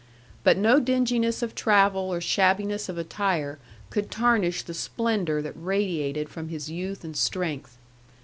But no dinginess of travel or shabbiness of attire could tarnish the splendor that radiated from his youth and strength.